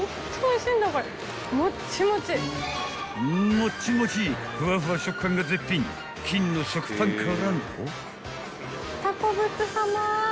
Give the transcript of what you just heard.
［もっちもちふわふわ食感が絶品金の食パンからの］